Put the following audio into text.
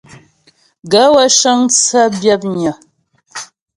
Gaə̂ wə́ cə́ŋ tsə́ byə̌pnƴə́ hə́ ?